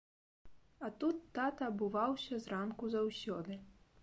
А тут тата абуваўся зранку заўсёды.